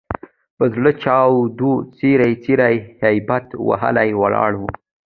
په زړه چاود، څیري څیري هبیت وهلي ولاړ وو.